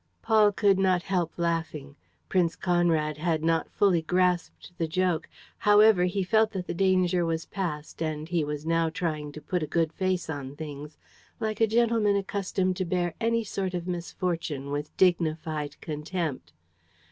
Paul could not help laughing. Prince Conrad had not fully grasped the joke. However, he felt that the danger was past and he was now trying to put a good face on things, like a gentleman accustomed to bear any sort of misfortune with dignified contempt.